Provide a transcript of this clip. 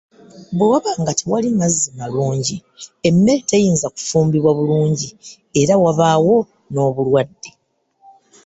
Bwe waba nga tewali mazzi malungi emmere teyinza kufumbibwa bulungi era wabaawo n'obulwadde.